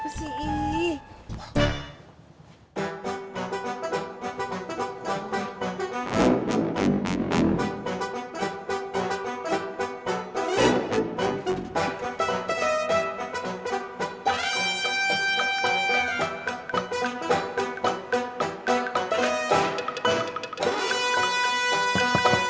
lima belas bahasa indonesia